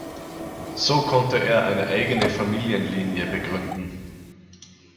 So konnte er eine eigene Familienlinie begründen.